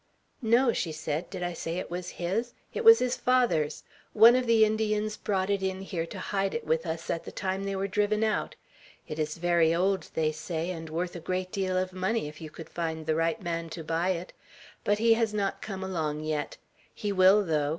"No!" she said. "Did I say it was his? It was his father's. One of the Indians brought it in here to hide it with us at the time they were driven out. It is very old, they say, and worth a great deal of money, if you could find the right man to buy it. But he has not come along yet. He will, though.